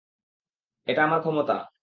এটাই আমার ক্ষমতা।